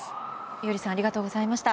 伊従さんありがとうございました。